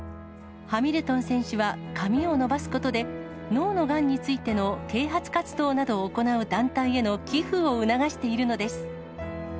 ハミルトン選手は髪を伸ばすことで、脳のがんについての啓発活動などを行う団体への寄付を促しているのです。